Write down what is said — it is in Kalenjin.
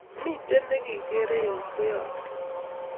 Miten ne kikren koyaakse